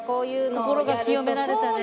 心が清められたね。